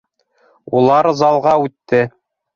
Улар залға үтте